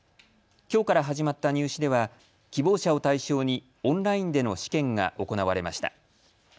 きょうから始まった入試では希望者を対象にオンラインでの試験が行われました。